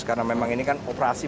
karena memang ini kan operasi